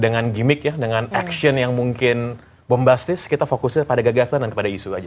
dengan gimmick ya dengan action yang mungkin bombastis kita fokusnya pada gagasan dan kepada isu aja